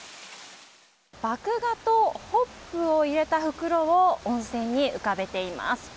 麦芽とホップを入れた袋を温泉に浮かべています。